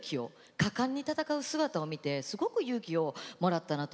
果敢に戦う姿を見てすごく勇気をもらったなと。